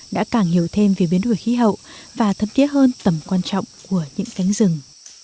đã càng hiểu thêm về biến đổi khí hậu và thâm thiết hơn tầm quan trọng của những cánh rừng